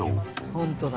ホントだ。